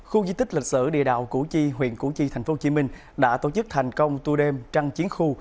khu di tích lịch sử địa đạo củ chi huyện củ chi tp hcm đã tổ chức thành công tua đêm trăng chiến khu